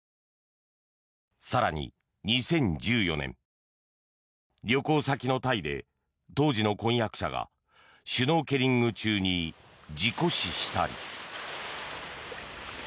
更に、２０１４年旅行先のタイで当時の婚約者がシュノーケリング中に事故死したり。